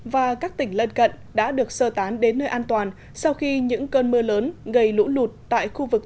và các tỉnh lân cận đã được sơ tán đến nơi an toàn sau khi những cơn mưa lớn gây lũ lụt tại khu vực